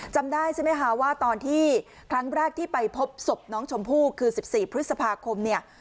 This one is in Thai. จำได้ใช่ไหมคะว่าตอนที่ครั้งแรกที่ไปพบศพน้องชมพู่คือ๑๔พฤษภาคมเนี่ย